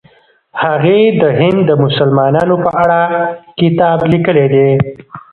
هغې د هند د مسلمانانو په اړه کتاب لیکلی دی.